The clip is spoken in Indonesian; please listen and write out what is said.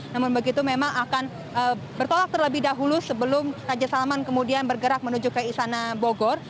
namun begitu memang akan bertolak terlebih dahulu sebelum raja salman kemudian bergerak menuju ke istana bogor